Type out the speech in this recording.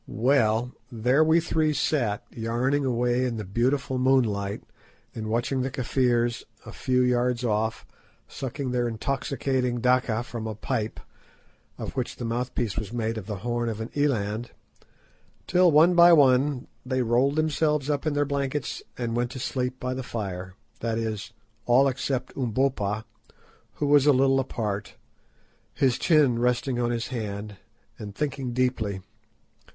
Well, there we three sat yarning away in the beautiful moonlight, and watching the Kafirs a few yards off sucking their intoxicating "daccha" from a pipe of which the mouthpiece was made of the horn of an eland, till one by one they rolled themselves up in their blankets and went to sleep by the fire, that is, all except Umbopa, who was a little apart, his chin resting on his hand, and thinking deeply.